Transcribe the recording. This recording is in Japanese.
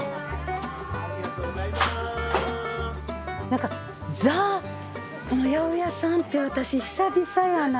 何か「ザ八百屋さん」って私久々やな。